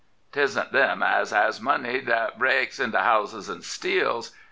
'Tisa't them as has money that breeaks into houses and steals.